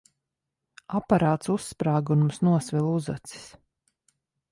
Aparāts uzsprāga, un mums nosvila uzacis.